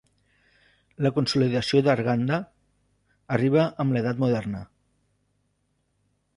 La consolidació d'Arganda arriba amb l'edat moderna.